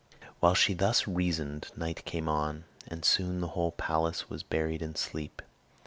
While she thus reasoned night came on, and soon the whole palace was buried in sleep.